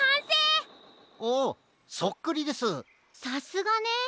さすがね！